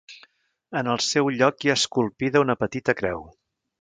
En el seu lloc hi ha esculpida una petita creu.